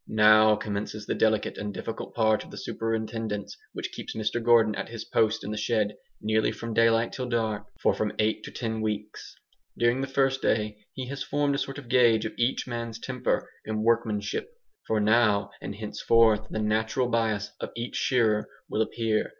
Now commences the delicate and difficult part of the superintendence which keeps Mr Gordon at his post in the shed, nearly from daylight till dark, for from eight to ten weeks. During the first day he has formed a sort of gauge of each man's temper and workmanship. For now, and henceforth, the natural bias of each shearer will appear.